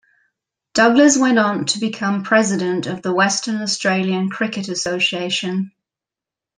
Douglas went on to become President of the Western Australian Cricket Association.